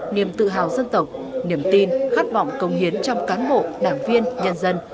niềm tự hào dân tộc niềm tin khát vọng công hiến trong cán bộ đảng viên nhân dân